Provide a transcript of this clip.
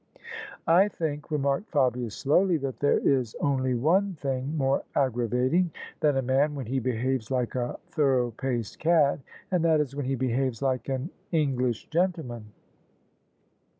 " I think," remarked Fabia slowly, " that there is only one thing more aggravating than a man when he behaves like a thorough paced cad ; and that is when he behaves like an English gentleman."